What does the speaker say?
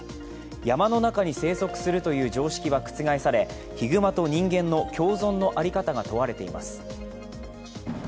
山の中に生息するという常識は覆され、ひぐまと人間の共存の在り方が問われています。